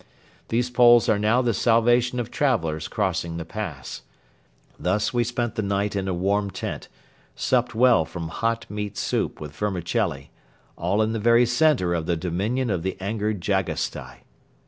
These poles are now the salvation of travelers crossing the pass. Thus we spent the night in a warm tent, supped well from hot meat soup with vermicelli, all in the very center of the dominion of the angered Jagasstai.